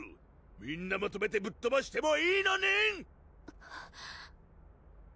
みんなまとめてぶっとばしてもいいのねん